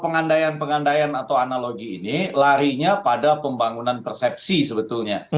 pengandaian pengandaian atau analogi ini larinya pada pembangunan persepsi sebetulnya